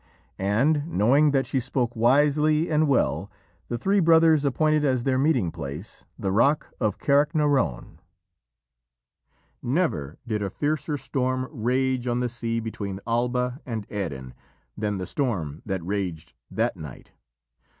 And, knowing that she spoke wisely and well, the three brothers appointed as their meeting place the rock of Carricknarone. Never did a fiercer storm rage on the sea between Alba and Erin than the storm that raged that night.